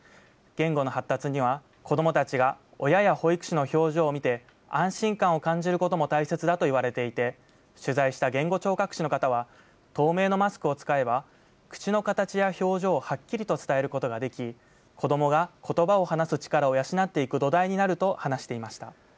言語の発達には子どもたちが親や保育士の表情を見て、安心感を感じることも大切だといわれていて、取材した言語聴覚士の方は、透明のマスクを使えば、口の形や表情をはっきりと伝えることができ、子どもがことばを話す力を養っていく土台になると話していました。